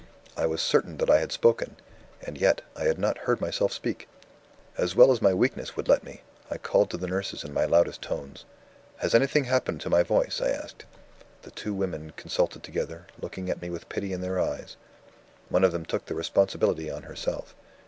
I was certain that I had spoken and yet, I had not heard myself speak! As well as my weakness would let me, I called to the nurses in my loudest tones. "Has anything happened to my voice?" I asked. The two women consulted together, looking at me with pity in their eyes. One of them took the responsibility on herself.